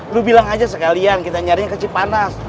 lu bilang aja sekalian kita nyarinya ke cipanas